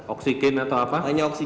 oksigen atau apa